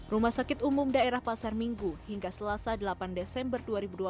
rumah sakit umum daerah pasar minggu hingga selasa delapan desember dua ribu dua puluh